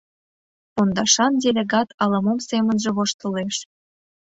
Пондашан делегат ала-мом семынже воштылеш.